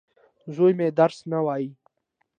زوی مي درس نه وايي.